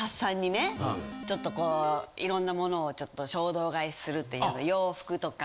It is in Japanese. ちょっとこういろんなものをちょっと衝動買いするっていう洋服とか。